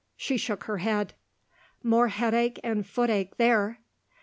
She shook her head. "More headache and footache, there!"